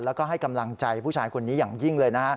แล้วก็ให้กำลังใจผู้ชายคนนี้อย่างยิ่งเลยนะฮะ